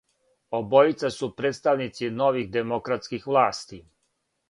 Обојица су представници нових демократских власти.